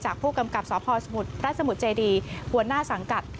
ผู้กำกับสพสมุทรสมุทรเจดีหัวหน้าสังกัด